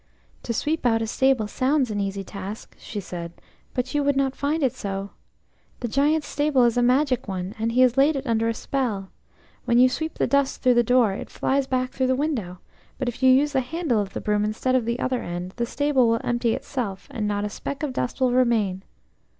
"To sweep out a stable sounds an easy task," she said, "but you would not find it so. The Giant's stable is a magic one, and he has laid it under a spell. When you sweep the dust through the door it flies back through the window, but if you use the handle of the broom instead of the other end, the stable will empty itself, and not a speck of dust will remain."